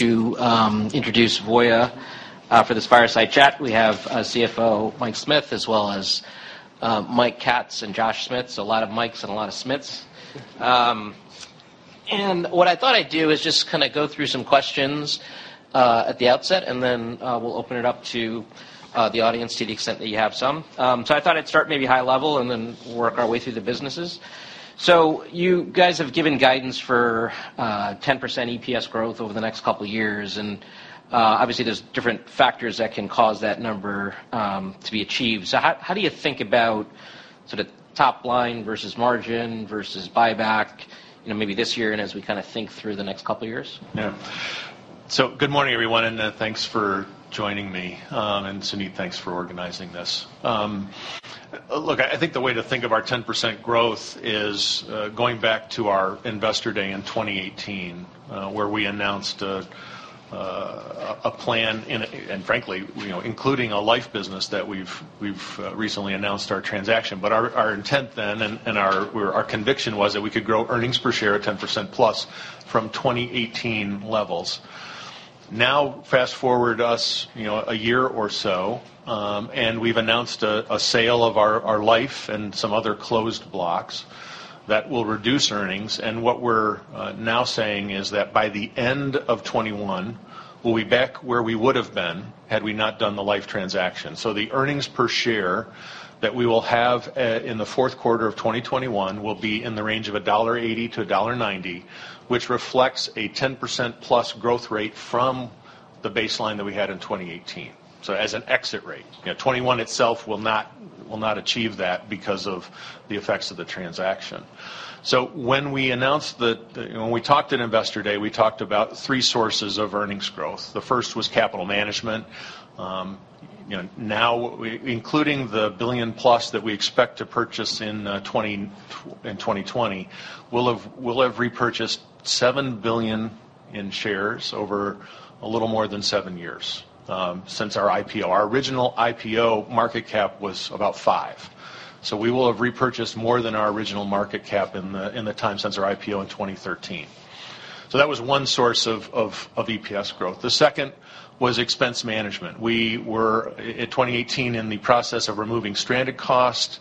To introduce Voya for this fireside chat. We have CFO Michael Katz, as well as Mike Katz and Josh Smith, so a lot of Mikes and a lot of Smiths. What I thought I'd do is just kind of go through some questions at the outset, then we'll open it up to the audience to the extent that you have some. I thought I'd start maybe high level and then work our way through the businesses. You guys have given guidance for 10% EPS growth over the next couple of years, and obviously there's different factors that can cause that number to be achieved. How do you think about the top line versus margin versus buyback maybe this year and as we kind of think through the next couple of years? Good morning, everyone, and thanks for joining me. Suneet, thanks for organizing this. I think the way to think of our 10% growth is going back to our Investor Day in 2018, where we announced a plan in -- and frankly including a life business that we've recently announced our transaction. Our intent then and our conviction was that we could grow earnings per share at 10% plus from 2018 levels. Fast-forward us a year or so, and we've announced a sale of our life and some other closed blocks that will reduce earnings. What we're now saying is that by the end of 2021, we'll be back where we would've been had we not done the life transaction. The earnings per share that we will have in the fourth quarter of 2021 will be in the range of $1.80 to $1.90, which reflects a 10% plus growth rate from the baseline that we had in 2018. As an exit rate. 2021 itself will not achieve that because of the effects of the transaction. When we announced the -- when we talked at Investor Day, we talked about three sources of earnings growth. The first was capital management. Including the $1 billion plus that we expect to purchase in 2020, we'll have repurchased $7 billion in shares over a little more than seven years since our IPO. Our original IPO market cap was about $5 billion, we will have repurchased more than our original market cap in the time since our IPO in 2013. That was one source of EPS growth. The second was expense management. We were, in 2018, in the process of removing stranded costs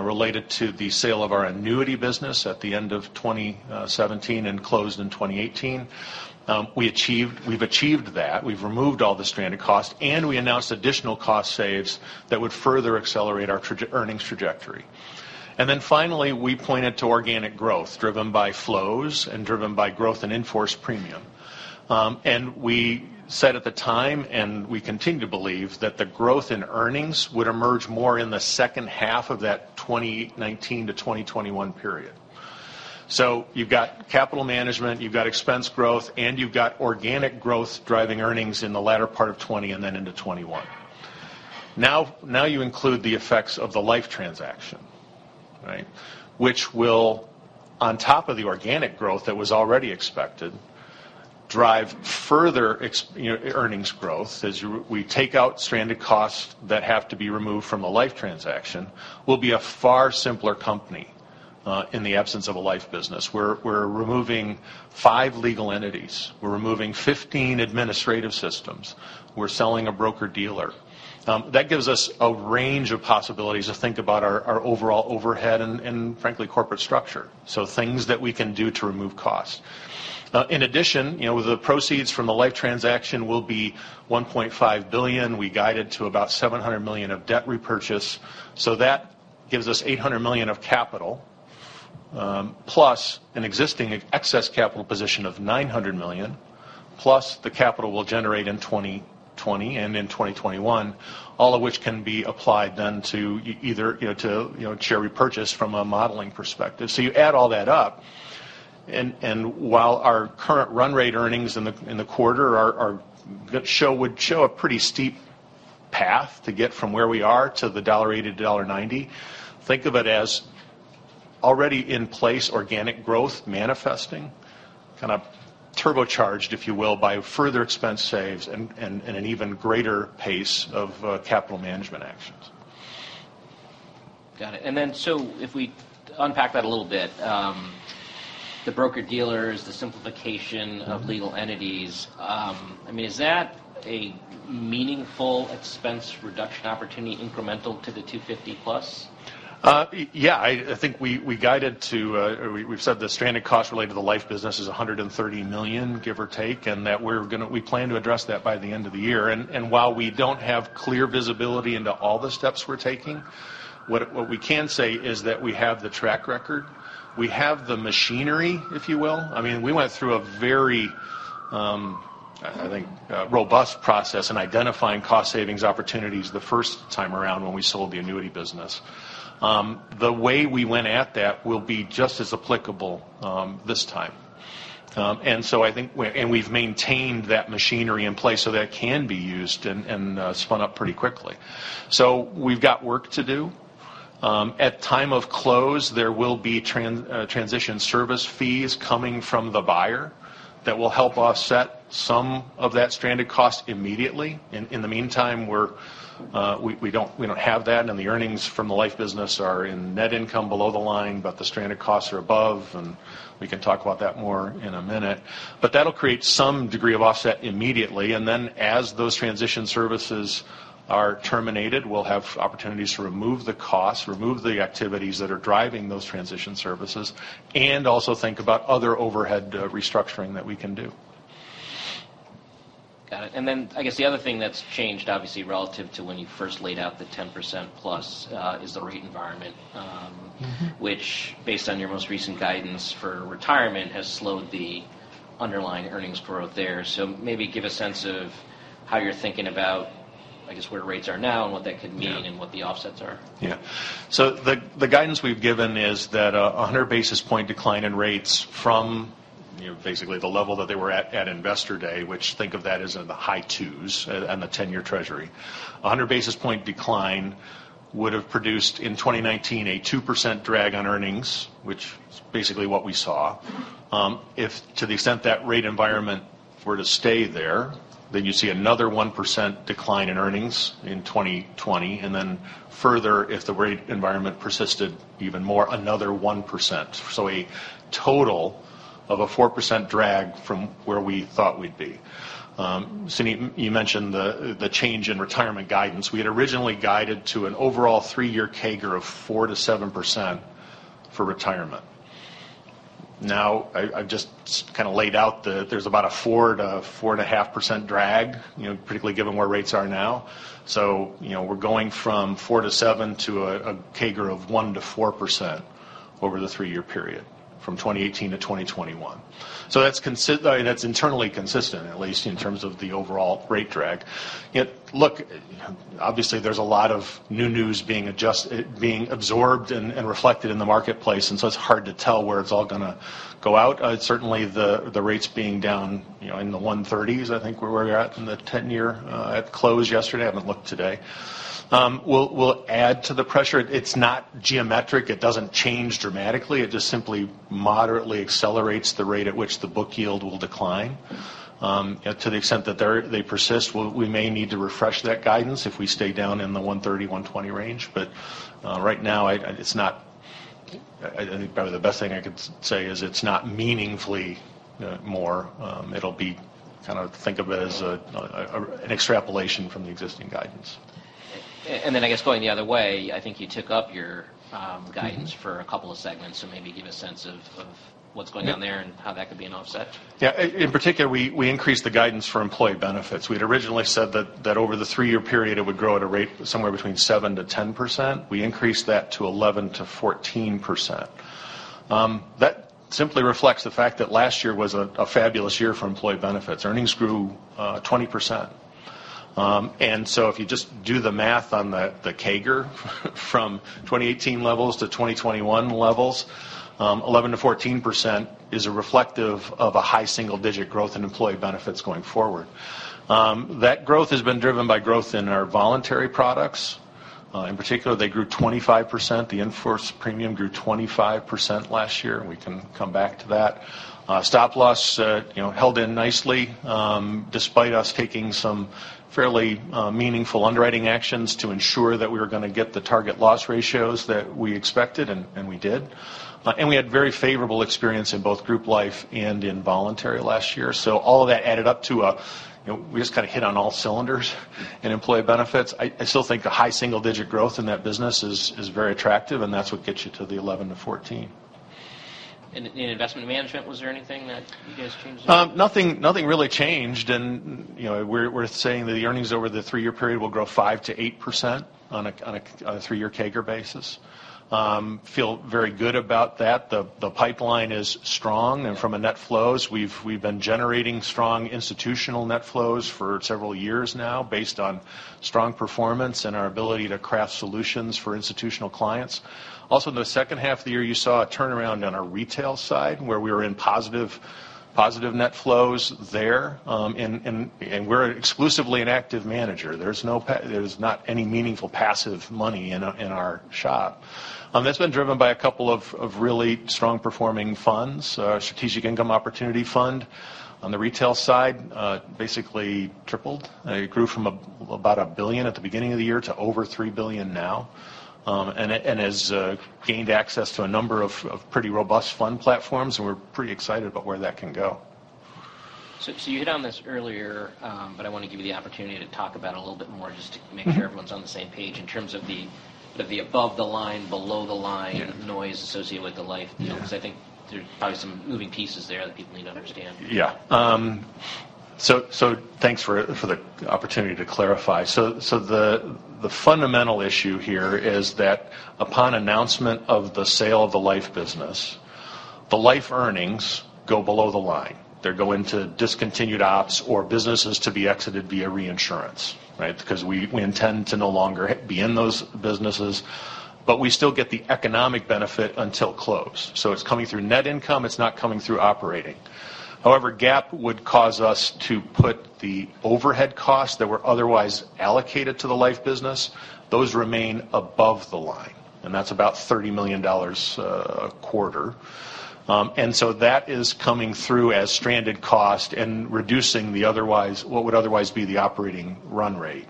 related to the sale of our annuity business at the end of 2017 and closed in 2018. We've achieved that. We've removed all the stranded costs, and we announced additional cost saves that would further accelerate our earnings trajectory. Finally, we pointed to organic growth driven by flows and driven by growth in in-force premium. We said at the time, and we continue to believe, that the growth in earnings would emerge more in the second half of that 2019-2021 period. You've got capital management, you've got expense growth, and you've got organic growth driving earnings in the latter part of 2020 and then into 2021. You include the effects of the life transaction. Right? Which will, on top of the organic growth that was already expected, drive further earnings growth as we take out stranded costs that have to be removed from the life transaction. We'll be a far simpler company in the absence of a life business. We're removing 5 legal entities. We're removing 15 administrative systems. We're selling a broker-dealer. That gives us a range of possibilities to think about our overall overhead and frankly, corporate structure. Things that we can do to remove costs. In addition, the proceeds from the life transaction will be $1.5 billion. We guided to about $700 million of debt repurchase. That gives us $800 million of capital, plus an existing excess capital position of $900 million, plus the capital we'll generate in 2020 and in 2021, all of which can be applied then to either share repurchase from a modeling perspective. You add all that up, and while our current run rate earnings in the quarter would show a pretty steep path to get from where we are to the $1.80-$1.90, think of it as already in place organic growth manifesting, kind of turbocharged, if you will, by further expense saves and an even greater pace of capital management actions. Got it. If we unpack that a little bit, the broker-dealers, the simplification of legal entities. Is that a meaningful expense reduction opportunity incremental to the 250+? Yeah. I think we guided to, we've said the stranded cost related to the life business is $130 million, give or take, and that we plan to address that by the end of the year. While we don't have clear visibility into all the steps we're taking, what we can say is that we have the track record. We have the machinery, if you will. We went through a very, I think, robust process in identifying cost savings opportunities the first time around when we sold the annuity business. The way we went at that will be just as applicable this time. We've maintained that machinery in place so that it can be used and spun up pretty quickly. We've got work to do. At time of close, there will be transition service fees coming from the buyer that will help offset some of that stranded cost immediately. In the meantime, we don't have that, and the earnings from the life business are in net income below the line, but the stranded costs are above, and we can talk about that more in a minute. That'll create some degree of offset immediately, and then as those transition services are terminated, we'll have opportunities to remove the cost, remove the activities that are driving those transition services, and also think about other overhead restructuring that we can do. Got it. I guess the other thing that's changed, obviously, relative to when you first laid out the 10%+, is the rate environment. which, based on your most recent guidance for retirement, has slowed the underlying earnings growth there. Maybe give a sense of how you're thinking about, I guess, where rates are now and what that could mean. Yeah What the offsets are. The guidance we've given is that 100 basis point decline in rates from basically the level that they were at at Investor Day, which think of that as in the high twos on the 10-year treasury. 100 basis point decline would've produced in 2019 a 2% drag on earnings, which is basically what we saw. To the extent that rate environment were to stay there, you see another 1% decline in earnings in 2020, and then further if the rate environment persisted even more, another 1%. A total of a 4% drag from where we thought we'd be. Suneet, you mentioned the change in retirement guidance. We had originally guided to an overall three-year CAGR of 4%-7% for retirement. Now, I've just kind of laid out that there's about a 4%-4.5% drag, particularly given where rates are now. We're going from 4-7 to a CAGR of 1%-4% over the three-year period from 2018-2021. That's internally consistent, at least in terms of the overall rate drag. Look, obviously there's a lot of new news being absorbed and reflected in the marketplace, it's hard to tell where it's all going to go out. Certainly the rates being down in the 130s, I think where we're at in the 10-year at close yesterday, I haven't looked today. We'll add to the pressure. It's not geometric. It doesn't change dramatically. It just simply moderately accelerates the rate at which the book yield will decline. To the extent that they persist, we may need to refresh that guidance if we stay down in the 130, 120 range. Right now, probably the best thing I could say is it's not meaningfully more. Think of it as an extrapolation from the existing guidance. I guess going the other way, I think you took up your guidance for a couple of segments, maybe give a sense of what's going on there and how that could be an offset. In particular, we increased the guidance for employee benefits. We had originally said that over the three-year period, it would grow at a rate somewhere between 7%-10%. We increased that to 11%-14%. That simply reflects the fact that last year was a fabulous year for employee benefits. Earnings grew 20%. If you just do the math on the CAGR from 2018 levels to 2021 levels, 11%-14% is a reflective of a high single-digit growth in employee benefits going forward. That growth has been driven by growth in our voluntary products. In particular, they grew 25%. The in-force premium grew 25% last year, and we can come back to that. Stop Loss held in nicely, despite us taking some fairly meaningful underwriting actions to ensure that we were going to get the target loss ratios that we expected and we did. We had very favorable experience in both group life and in voluntary last year. All of that added up to, we just kind of hit on all cylinders in employee benefits. I still think a high single-digit growth in that business is very attractive, and that's what gets you to the 11-14. In investment management, was there anything that you guys changed there? Nothing really changed, and we're saying that the earnings over the three-year period will grow 5%-8% on a three-year CAGR basis. Feel very good about that. The pipeline is strong, and from a net flows, we've been generating strong institutional net flows for several years now based on strong performance and our ability to craft solutions for institutional clients. Also, in the second half of the year, you saw a turnaround on our retail side, where we were in positive net flows there. We're exclusively an active manager. There's not any meaningful passive money in our shop. That's been driven by a couple of really strong performing funds. Our Voya Strategic Income Opportunities Fund on the retail side basically tripled. It grew from about $1 billion at the beginning of the year to over $3 billion now. Has gained access to a number of pretty robust fund platforms, and we're pretty excited about where that can go. You hit on this earlier, but I want to give you the opportunity to talk about it a little bit more just to make sure everyone's on the same page in terms of the above the line, below the line noise associated with the life deal, because I think there's probably some moving pieces there that people need to understand. Thanks for the opportunity to clarify. The fundamental issue here is that upon announcement of the sale of the life business, the life earnings go below the line. They're going to discontinued ops or businesses to be exited via reinsurance, right? Because we intend to no longer be in those businesses, but we still get the economic benefit until close. It's coming through net income, it's not coming through operating. However, GAAP would cause us to put the overhead costs that were otherwise allocated to the life business, those remain above the line. That's about $30 million a quarter. That is coming through as stranded cost and reducing what would otherwise be the operating run rate.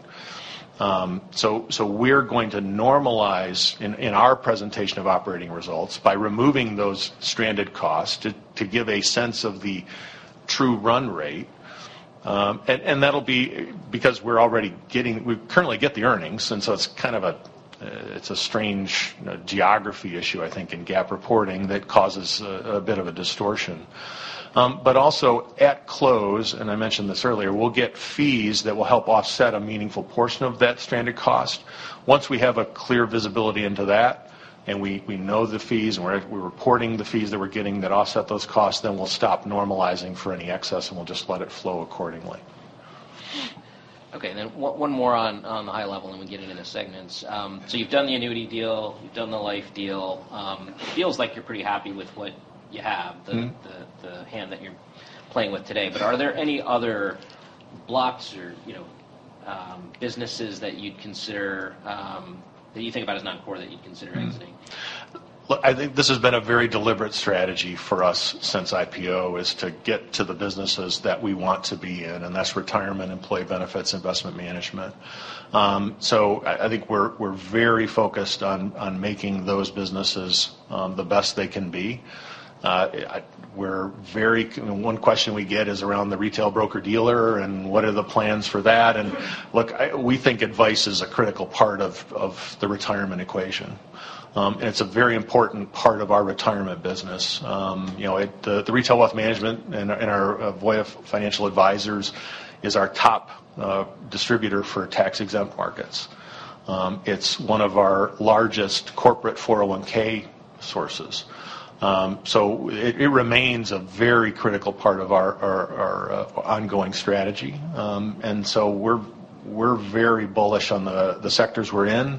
We're going to normalize in our presentation of operating results by removing those stranded costs to give a sense of the true run rate. That'll be because we currently get the earnings, and so it's a strange geography issue, I think, in GAAP reporting that causes a bit of a distortion. Also at close, and I mentioned this earlier, we'll get fees that will help offset a meaningful portion of that stranded cost. Once we have a clear visibility into that and we know the fees and we're reporting the fees that we're getting that offset those costs, then we'll stop normalizing for any excess, and we'll just let it flow accordingly. Okay, one more on the high level, we can get into the segments. You've done the annuity deal. You've done the life deal. It feels like you're pretty happy with what you have- the hand that you're playing with today. Are there any other blocks or businesses that you'd consider that you think about as non-core that you'd consider exiting? Look, I think this has been a very deliberate strategy for us since IPO, is to get to the businesses that we want to be in, that's retirement, employee benefits, investment management. I think we're very focused on making those businesses the best they can be. One question we get is around the retail broker-dealer and what are the plans for that. Look, we think advice is a critical part of the retirement equation. It's a very important part of our retirement business. The Retail Wealth Management and our Voya Financial Advisors is our top distributor for tax-exempt markets. It's one of our largest corporate 401 sources. It remains a very critical part of our ongoing strategy. We're very bullish on the sectors we're in.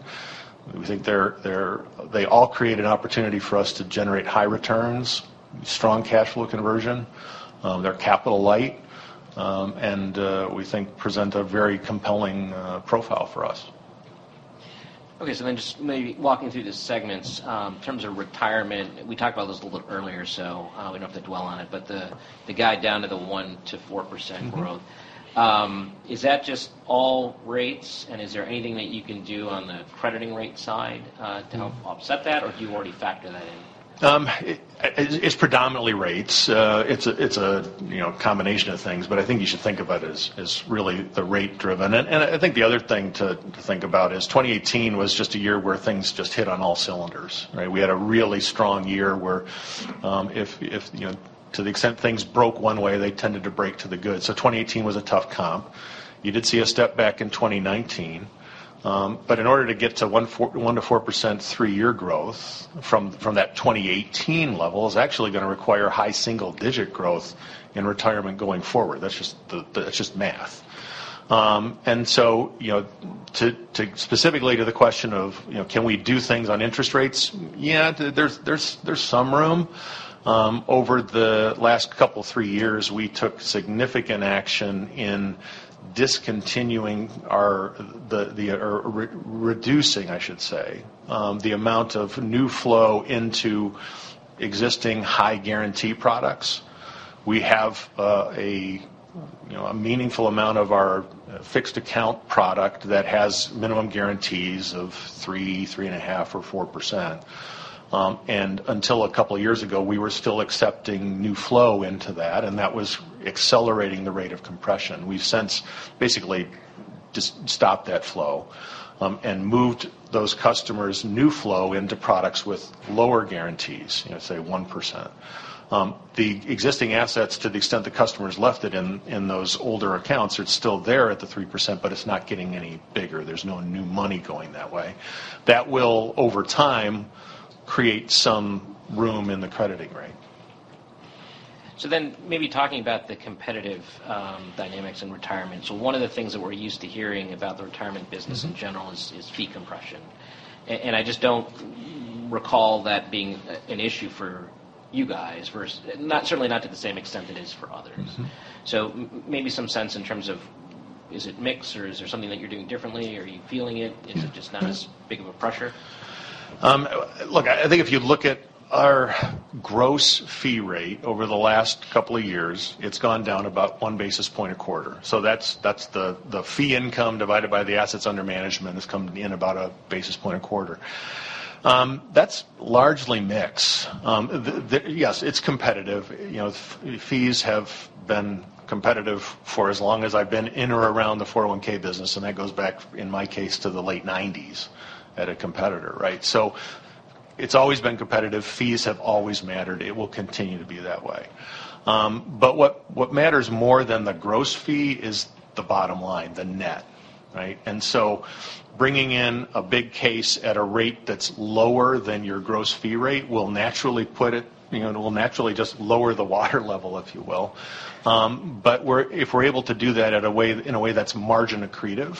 We think they all create an opportunity for us to generate high returns, strong cash flow conversion. They're capital light. We think present a very compelling profile for us. Okay. Just maybe walking through the segments, in terms of retirement, we talked about this a little bit earlier, so we don't have to dwell on it, but the guide down to the 1%-4% growth. Is that just all rates? Is there anything that you can do on the crediting rate side to help offset that? Have you already factored that in? It's predominantly rates. It's a combination of things. I think you should think about it as really the rate driven. I think the other thing to think about is 2018 was just a year where things just hit on all cylinders, right? We had a really strong year where to the extent things broke one way, they tended to break to the good. 2018 was a tough comp. You did see a step back in 2019. In order to get to 1%-4% three-year growth from that 2018 level is actually going to require high single-digit growth in retirement going forward. That's just math. Specifically to the question of can we do things on interest rates? Yeah, there's some room. Over the last couple, three years, we took significant action in reducing the amount of new flow into existing high-guarantee products. We have a meaningful amount of our fixed account product that has minimum guarantees of 3%, 3.5% or 4%. Until a couple of years ago, we were still accepting new flow into that, and that was accelerating the rate of compression. We've since basically just stopped that flow and moved those customers' new flow into products with lower guarantees, say 1%. The existing assets, to the extent the customers left it in those older accounts, it's still there at the 3%, but it's not getting any bigger. There's no new money going that way. That will, over time, create some room in the crediting rate. Maybe talking about the competitive dynamics in retirement. One of the things that we're used to hearing about the retirement business in general is fee compression. I just don't recall that being an issue for you guys, certainly not to the same extent it is for others. Maybe some sense in terms of is it mix or is there something that you're doing differently? Are you feeling it? Is it just not as big of a pressure? I think if you look at our gross fee rate over the last couple of years, it's gone down about one basis point a quarter. That's the fee income divided by the assets under management has come in about one basis point a quarter. That's largely mix. Yes, it's competitive. Fees have been competitive for as long as I've been in or around the 401(k) business, and that goes back, in my case, to the late 1990s at a competitor, right? It's always been competitive. Fees have always mattered. It will continue to be that way. What matters more than the gross fee is the bottom line, the net, right? Bringing in a big case at a rate that's lower than your gross fee rate will naturally just lower the water level, if you will. If we're able to do that in a way that's margin accretive.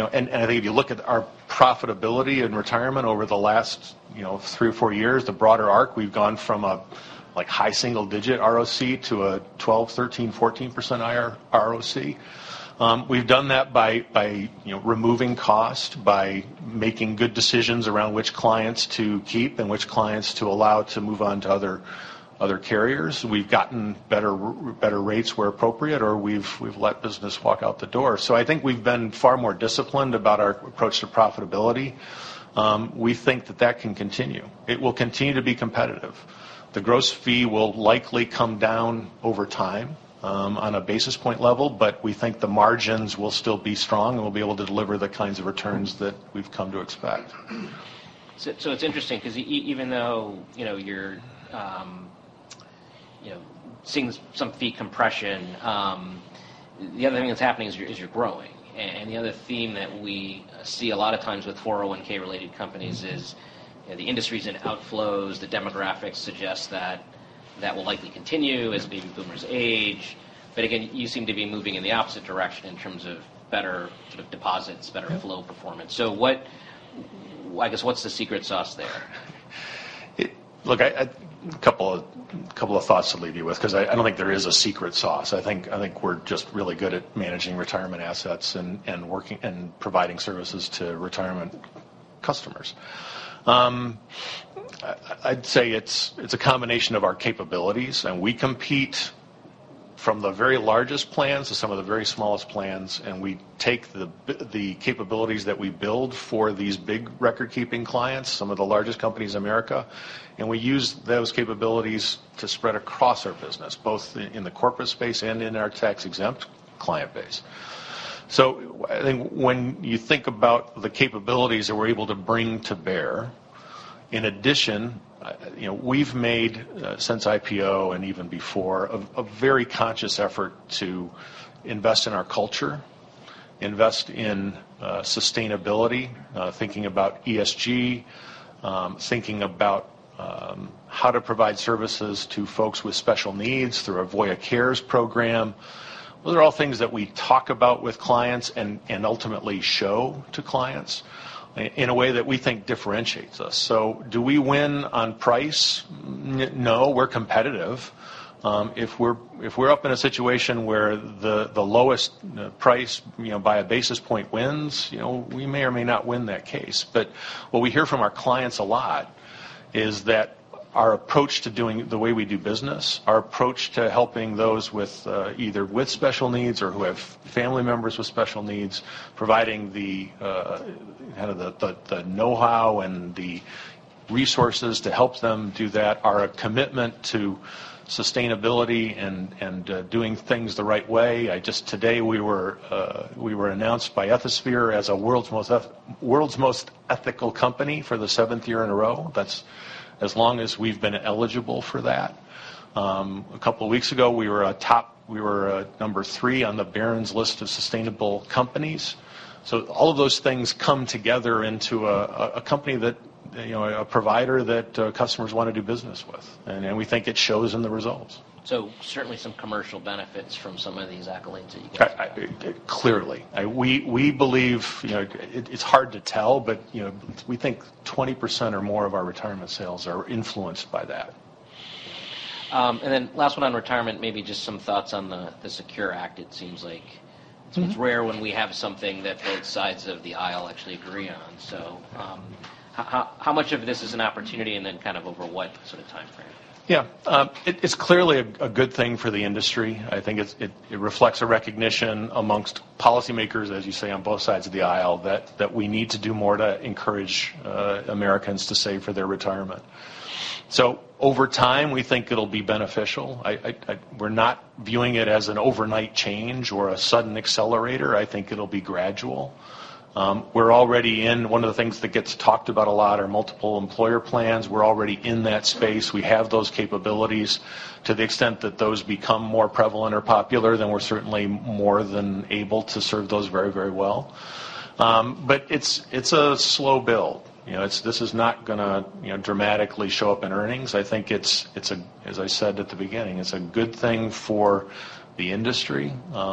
I think if you look at our profitability in retirement over the last three or four years, the broader arc, we've gone from a high single-digit ROC to a 12%, 13%, 14% higher ROC. We've done that by removing cost, by making good decisions around which clients to keep and which clients to allow to move on to other carriers. We've gotten better rates where appropriate, or we've let business walk out the door. I think we've been far more disciplined about our approach to profitability. We think that that can continue. It will continue to be competitive. The gross fee will likely come down over time on a basis point level, but we think the margins will still be strong, and we'll be able to deliver the kinds of returns that we've come to expect. It's interesting because even though you're seeing some fee compression, the other thing that's happening is you're growing. The other theme that we see a lot of times with 401(k) related companies is the industry's in outflows. The demographics suggest that that will likely continue as baby boomers age. Again, you seem to be moving in the opposite direction in terms of better deposits, better flow performance. I guess, what's the secret sauce there? A couple of thoughts to leave you with because I don't think there is a secret sauce. I think we're just really good at managing retirement assets and providing services to retirement customers. I'd say it's a combination of our capabilities, and we compete from the very largest plans to some of the very smallest plans, and we take the capabilities that we build for these big record-keeping clients, some of the largest companies in America, and we use those capabilities to spread across our business, both in the corporate space and in our tax-exempt client base. I think when you think about the capabilities that we're able to bring to bear, in addition, we've made, since IPO and even before, a very conscious effort to invest in our culture, invest in sustainability, thinking about ESG, thinking about how to provide services to folks with special needs through our Voya Cares program. Those are all things that we talk about with clients and ultimately show to clients in a way that we think differentiates us. Do we win on price? No, we're competitive. If we're up in a situation where the lowest price by a basis point wins, we may or may not win that case. What we hear from our clients a lot is that our approach to doing the way we do business, our approach to helping those either with special needs or who have family members with special needs, providing the know-how and the resources to help them do that, our commitment to sustainability and doing things the right way. Just today, we were announced by Ethisphere as a world's most ethical company for the seventh year in a row. That's as long as we've been eligible for that. A couple of weeks ago, we were number 3 on the Barron's list of sustainable companies. All of those things come together into a company that, a provider that customers want to do business with, and we think it shows in the results. Certainly some commercial benefits from some of these accolades that you get. Clearly. We believe it's hard to tell, but we think 20% or more of our retirement sales are influenced by that. Last one on retirement, maybe just some thoughts on the SECURE Act. It seems like it's rare when we have something that both sides of the aisle actually agree on. How much of this is an opportunity, and then over what sort of timeframe? It's clearly a good thing for the industry. I think it reflects a recognition amongst policymakers, as you say, on both sides of the aisle, that we need to do more to encourage Americans to save for their retirement. Over time, we think it'll be beneficial. We're not viewing it as an overnight change or a sudden accelerator. I think it'll be gradual. We're already in one of the things that gets talked about a lot are Multiple Employer Plans. We're already in that space. We have those capabilities. To the extent that those become more prevalent or popular, then we're certainly more than able to serve those very, very well. It's a slow build. This is not going to dramatically show up in earnings. I think it's, as I said at the beginning, it's a good thing for the industry.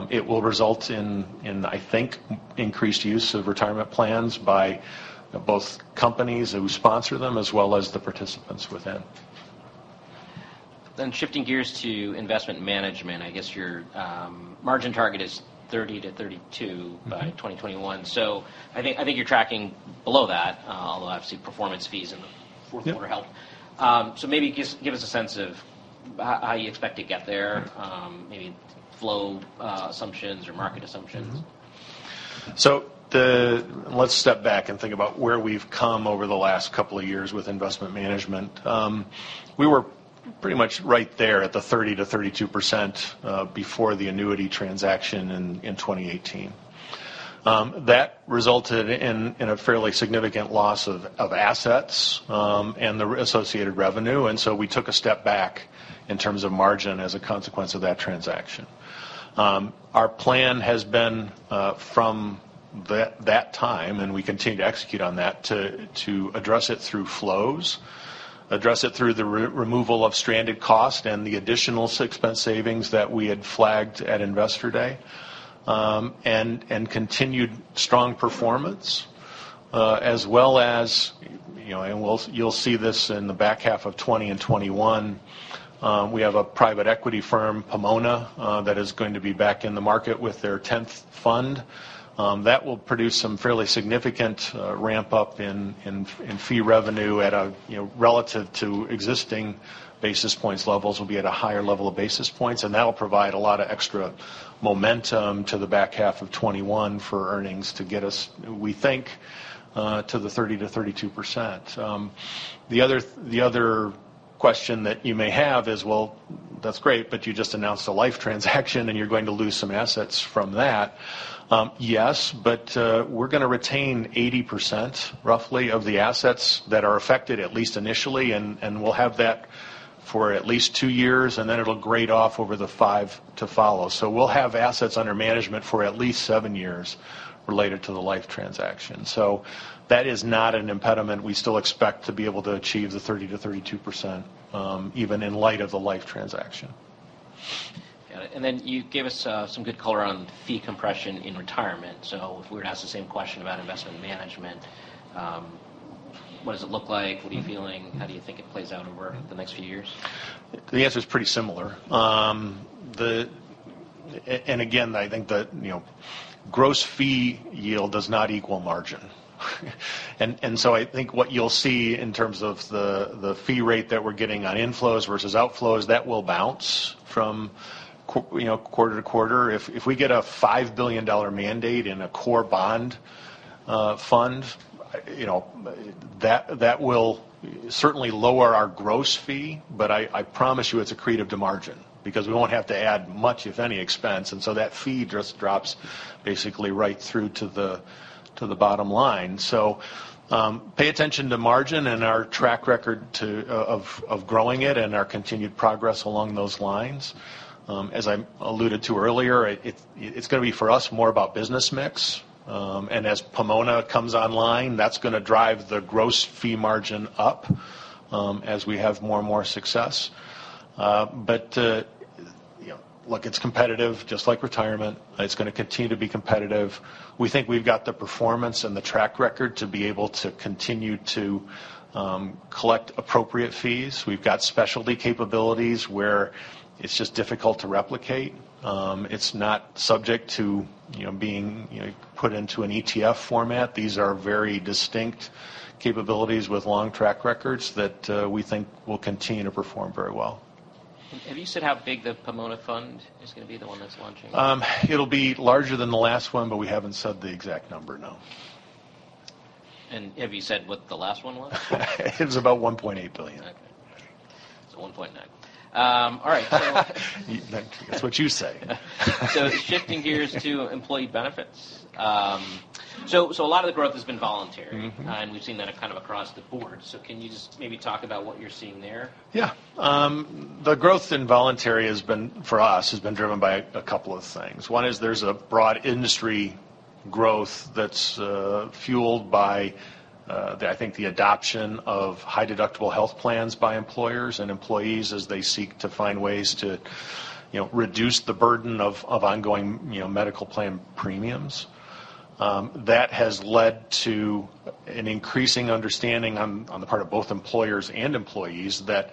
It will result in, I think, increased use of retirement plans by both companies who sponsor them as well as the participants within. Shifting gears to Investment Management, I guess your margin target is 30%-32% by 2021. I think you're tracking below that, although obviously, performance fees in the fourth quarter helped. Yep. Maybe just give us a sense of how you expect to get there, maybe flow assumptions or market assumptions. Let's step back and think about where we've come over the last couple of years with Investment Management. We were pretty much right there at the 30% to 32% before the annuity transaction in 2018. That resulted in a fairly significant loss of assets and the associated revenue, and so we took a step back in terms of margin as a consequence of that transaction. Our plan has been from that time, and we continue to execute on that, to address it through flows, address it through the removal of stranded cost and the additional expense savings that we had flagged at Investor Day, and continued strong performance. As well as, and you'll see this in the back half of 2020 and 2021, we have a private equity firm, Pomona, that is going to be back in the market with their 10th fund. That will produce some fairly significant ramp-up in fee revenue at a relative to existing basis points levels will be at a higher level of basis points, and that'll provide a lot of extra momentum to the back half of 2021 for earnings to get us, we think, to the 30%-32%. The other question that you may have is, well, that's great. You just announced a life transaction, and you're going to lose some assets from that. Yes. We're going to retain 80%, roughly, of the assets that are affected, at least initially, and we'll have that for at least two years, and then it'll grade off over the five to follow. We'll have assets under management for at least seven years related to the life transaction. That is not an impediment. We still expect to be able to achieve the 30%-32%, even in light of the life transaction. Got it. You gave us some good color on fee compression in retirement. If we were to ask the same question about investment management, what does it look like? What are you feeling? How do you think it plays out over the next few years? The answer is pretty similar. Again, I think that gross fee yield does not equal margin. I think what you'll see in terms of the fee rate that we're getting on inflows versus outflows, that will bounce from quarter to quarter. If we get a $5 billion mandate in a core bond fund, that will certainly lower our gross fee, but I promise you it's accretive to margin because we won't have to add much, if any, expense. That fee just drops basically right through to the bottom line. Pay attention to margin and our track record of growing it and our continued progress along those lines. As I alluded to earlier, it's going to be for us more about business mix. As Pomona comes online, that's going to drive the gross fee margin up as we have more and more success. Look, it's competitive, just like retirement. It's going to continue to be competitive. We think we've got the performance and the track record to be able to continue to collect appropriate fees. We've got specialty capabilities where it's just difficult to replicate. It's not subject to being put into an ETF format. These are very distinct capabilities with long track records that we think will continue to perform very well. Have you said how big the Pomona fund is going to be, the one that's launching? It'll be larger than the last one, but we haven't said the exact number, no. Have you said what the last one was? It was about $1.8 billion. Okay. $1.9. All right. That's what you say. Shifting gears to employee benefits. A lot of the growth has been voluntary. We've seen that kind of across the board. Can you just maybe talk about what you're seeing there? Yeah. The growth in voluntary has been, for us, has been driven by a couple of things. One is there's a broad industry growth that's fueled by, I think the adoption of high-deductible health plans by employers and employees as they seek to find ways to reduce the burden of ongoing medical plan premiums. That has led to an increasing understanding on the part of both employers and employees that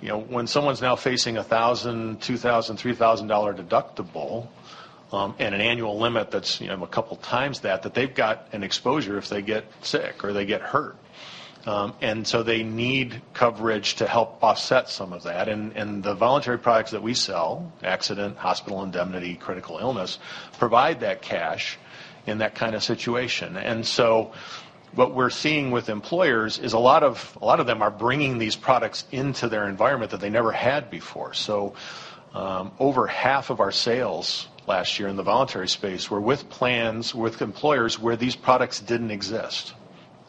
when someone's now facing $1,000, $2,000, $3,000 deductible, and an annual limit that's a couple of times that, they've got an exposure if they get sick or they get hurt. They need coverage to help offset some of that. The voluntary products that we sell, accident, hospital indemnity, critical illness, provide that cash in that kind of situation. What we're seeing with employers is a lot of them are bringing these products into their environment that they never had before. Over half of our sales last year in the voluntary space were with plans with employers where these products didn't exist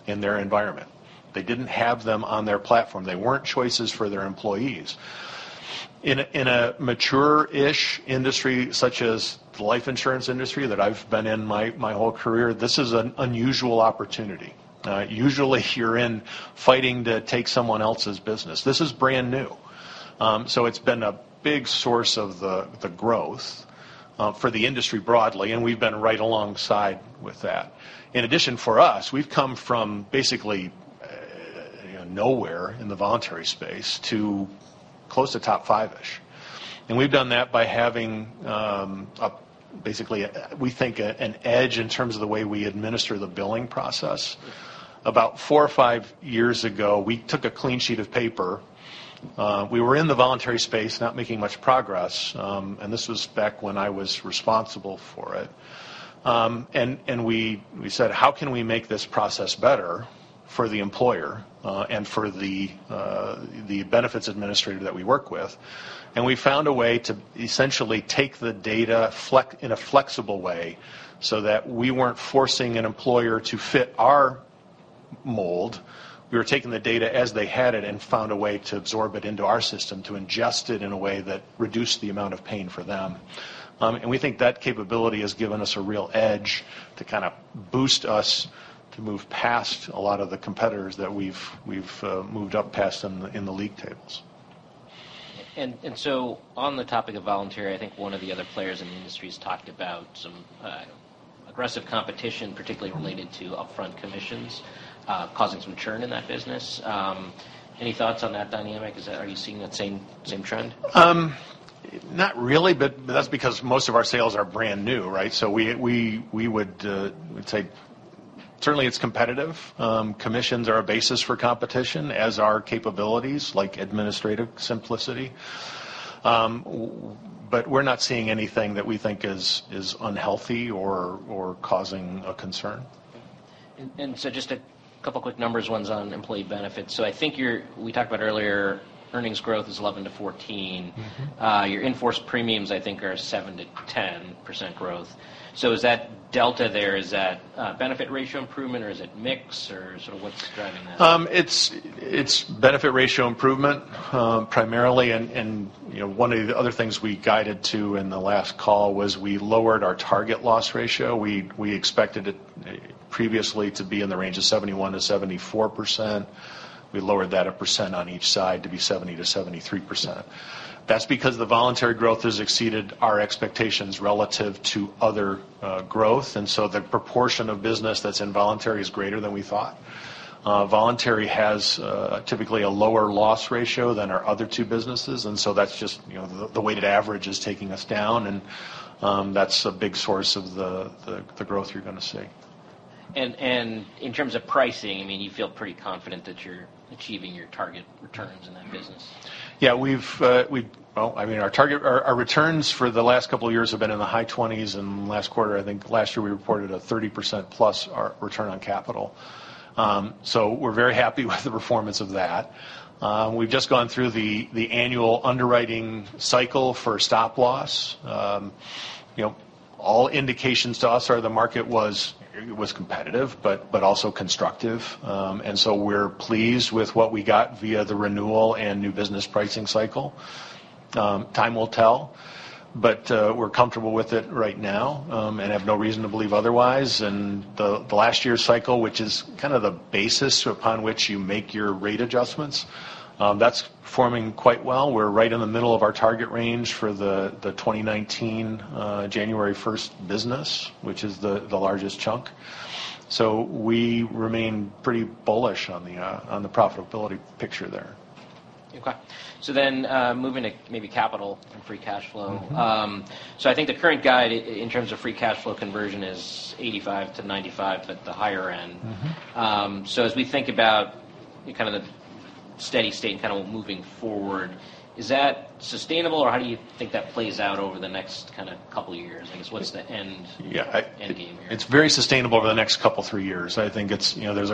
in their environment. They didn't have them on their platform. They weren't choices for their employees. In a mature-ish industry such as the life insurance industry that I've been in my whole career, this is an unusual opportunity. Usually, you're in fighting to take someone else's business. This is brand new. It's been a big source of the growth for the industry broadly, and we've been right alongside with that. In addition, for us, we've come from basically nowhere in the voluntary space to close to top 5-ish. We've done that by having basically, we think, an edge in terms of the way we administer the billing process. About four or five years ago, we took a clean sheet of paper. We were in the voluntary space not making much progress, and this was back when I was responsible for it. We said, "How can we make this process better for the employer and for the benefits administrator that we work with?" We found a way to essentially take the data in a flexible way so that we weren't forcing an employer to fit our mold. We were taking the data as they had it and found a way to absorb it into our system, to ingest it in a way that reduced the amount of pain for them. We think that capability has given us a real edge to kind of boost us to move past a lot of the competitors that we've moved up past in the league tables. On the topic of voluntary, I think one of the other players in the industry has talked about some aggressive competition, particularly related to upfront commissions causing some churn in that business. Any thoughts on that dynamic? Are you seeing that same trend? Not really, but that's because most of our sales are brand new, right? We would say certainly it's competitive. Commissions are a basis for competition, as are capabilities like administrative simplicity. We're not seeing anything that we think is unhealthy or causing a concern. Just a couple quick numbers, one's on employee benefits. I think we talked about earlier earnings growth is 11%-14%. Your in-force premiums, I think, are 7%-10% growth. Is that delta there, is that benefit ratio improvement or is it mix or sort of what's driving that? It's benefit ratio improvement primarily. One of the other things we guided to in the last call was we lowered our target loss ratio. We expected it previously to be in the range of 71%-74%. We lowered that a percent on each side to be 70%-73%. That's because the voluntary growth has exceeded our expectations relative to other growth. The proportion of business that's voluntary is greater than we thought. Voluntary has typically a lower loss ratio than our other two businesses, and so that's just the weighted average is taking us down, and that's a big source of the growth you're going to see. In terms of pricing, you feel pretty confident that you're achieving your target returns in that business? Yeah. Our returns for the last couple of years have been in the high 20s, and last quarter, I think last year, we reported a 30%+ return on capital. We're very happy with the performance of that. We've just gone through the annual underwriting cycle for Stop Loss. All indications to us are the market was competitive, but also constructive. We're pleased with what we got via the renewal and new business pricing cycle. Time will tell, but we're comfortable with it right now and have no reason to believe otherwise. The last year's cycle, which is kind of the basis upon which you make your rate adjustments, that's performing quite well. We're right in the middle of our target range for the 2019 January 1st business, which is the largest chunk. We remain pretty bullish on the profitability picture there. Okay. Moving to maybe capital and free cash flow. I think the current guide in terms of free cash flow conversion is 85%-95% at the higher end. As we think about kind of the steady state and kind of moving forward, is that sustainable or how do you think that plays out over the next couple of years? I guess what's the end game here? It's very sustainable over the next couple of three years. I think the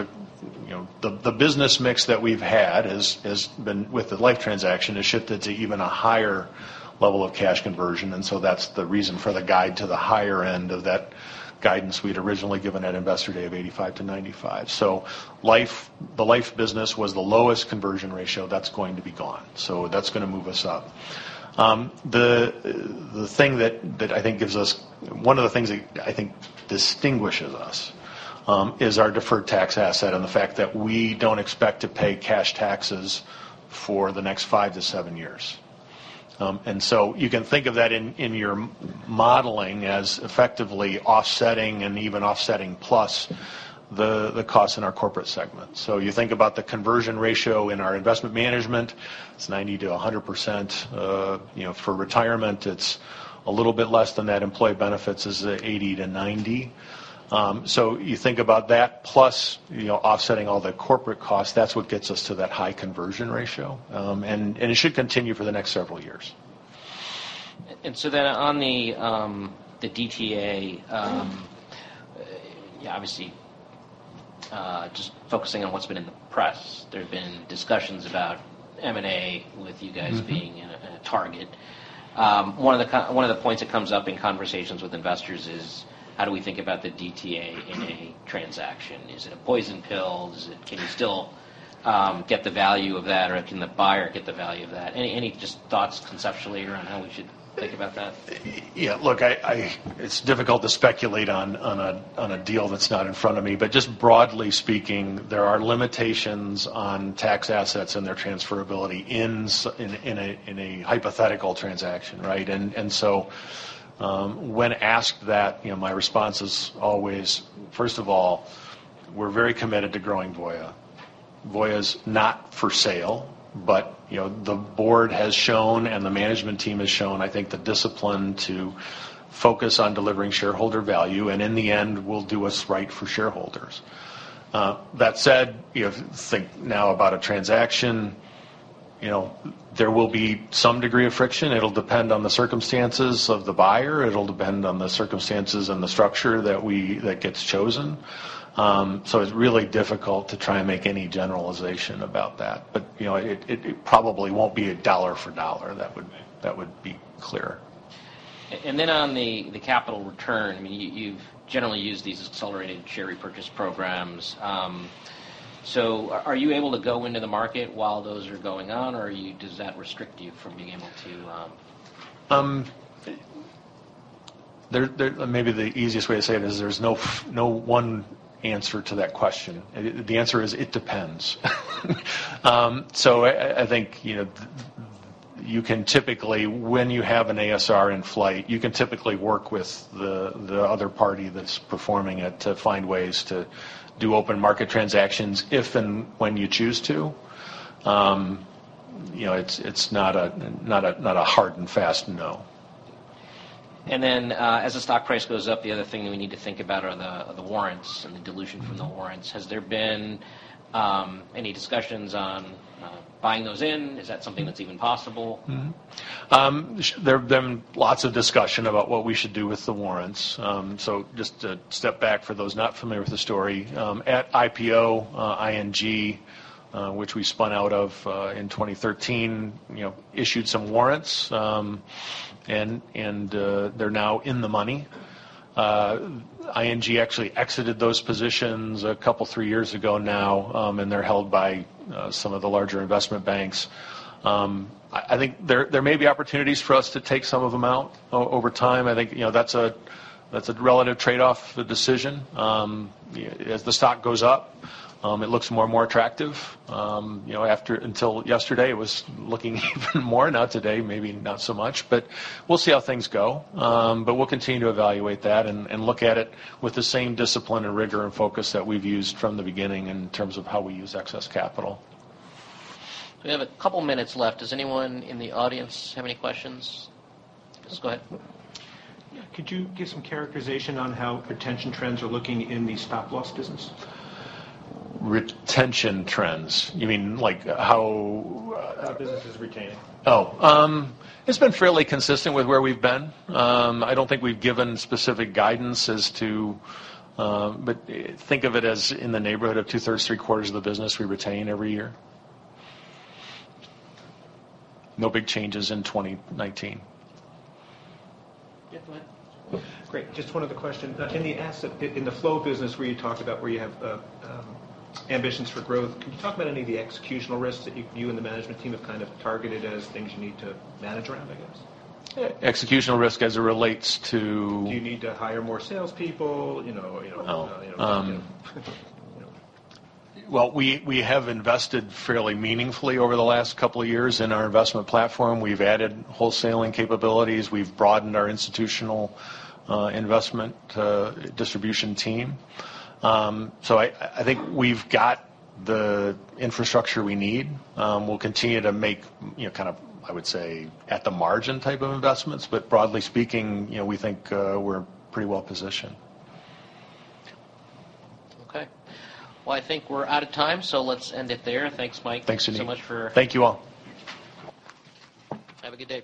business mix that we've had with the life transaction has shifted to even a higher level of cash conversion, that's the reason for the guide to the higher end of that guidance we'd originally given at Investor Day of 85%-95%. The life business was the lowest conversion ratio. That's going to be gone. That's going to move us up. One of the things that I think distinguishes us is our deferred tax asset and the fact that we don't expect to pay cash taxes for the next 5-7 years. You can think of that in your modeling as effectively offsetting and even offsetting plus the cost in our corporate segment. You think about the conversion ratio in our investment management, it's 90%-100%. For retirement, it's a little bit less than that. Employee benefits is 80%-90%. You think about that plus offsetting all the corporate costs. That's what gets us to that high conversion ratio, and it should continue for the next several years. On the DTA, obviously, just focusing on what's been in the press, there have been discussions about M&A with you guys being a target. One of the points that comes up in conversations with investors is how do we think about the DTA in a transaction? Is it a poison pill? Can you still get the value of that or can the buyer get the value of that? Any just thoughts conceptually around how we should think about that? It's difficult to speculate on a deal that's not in front of me. Just broadly speaking, there are limitations on tax assets and their transferability in a hypothetical transaction, right? When asked that, my response is always, first of all, we're very committed to growing Voya. Voya's not for sale, but the board has shown and the management team has shown, I think, the discipline to focus on delivering shareholder value, and in the end, we'll do what's right for shareholders. That said, think now about a transaction. There will be some degree of friction. It'll depend on the circumstances of the buyer. It'll depend on the circumstances and the structure that gets chosen. It's really difficult to try and make any generalization about that. But it probably won't be a $1 for $1. That would be clear. On the capital return, you've generally used these accelerated share repurchase programs. Are you able to go into the market while those are going on or does that restrict you from being able to- Maybe the easiest way to say it is there's no one answer to that question. The answer is, it depends. I think you can typically, when you have an ASR in flight, you can typically work with the other party that's performing it to find ways to do open market transactions if and when you choose to. It's not a hard and fast no. As the stock price goes up, the other thing that we need to think about are the warrants and the dilution from the warrants. Has there been any discussions on buying those in? Is that something that's even possible? There have been lots of discussions about what we should do with the warrants. Just to step back for those not familiar with the story. At IPO, ING, which we spun out of in 2013, issued some warrants, and they're now in the money. ING actually exited those positions a couple of three years ago now, and they're held by some of the larger investment banks. I think there may be opportunities for us to take some of them out over time. I think that's a relative trade-off decision. As the stock goes up, it looks more and more attractive. Until yesterday, it was looking even more. Now today, maybe not so much, we'll see how things go. We'll continue to evaluate that and look at it with the same discipline and rigor and focus that we've used from the beginning in terms of how we use excess capital. We have a couple of minutes left. Does anyone in the audience have any questions? Yes, go ahead. Yeah. Could you give some characterization on how retention trends are looking in the Stop Loss business? Retention trends. You mean like how How business is retaining. Oh. It's been fairly consistent with where we've been. I don't think we've given specific guidance as to think of it as in the neighborhood of two-thirds, three-quarters of the business we retain every year. No big changes in 2019. Yeah, go ahead. Great. Just one other question. In the flow business where you talked about where you have ambitions for growth, can you talk about any of the executional risks that you and the management team have targeted as things you need to manage around, I guess? Executional risk as it relates to? Do you need to hire more salespeople? Oh. Well, we have invested fairly meaningfully over the last couple of years in our investment platform. We've added wholesaling capabilities. We've broadened our institutional investment distribution team. I think we've got the infrastructure we need. We'll continue to make I would say at the margin type of investments. Broadly speaking, we think we're pretty well-positioned. Okay. Well, I think we're out of time, let's end it there. Thanks, Mike. Thanks, Suneet. so much for- Thank you all. Have a good day.